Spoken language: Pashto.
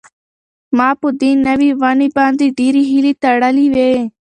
ما په دې نوې ونې باندې ډېرې هیلې تړلې وې.